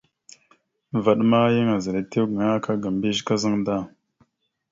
Vvaɗ ma yan azaɗ etew gaŋa aka ga mbiyez kazaŋ da.